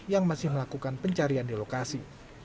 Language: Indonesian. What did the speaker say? yang masih melakukan pencarian di lokasi